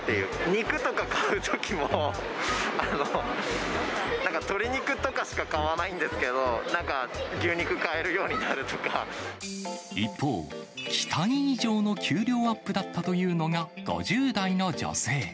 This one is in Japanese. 肉とか買うときも、鶏肉とかしか買わないんですけど、一方、期待以上の給料アップだったというのが、５０代の女性。